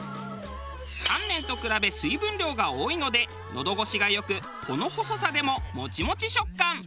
乾麺と比べ水分量が多いので喉越しが良くこの細さでももちもち食感。